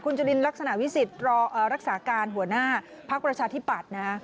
จุลินลักษณะวิสิทธิ์รอรักษาการหัวหน้าพักประชาธิปัตย์นะฮะ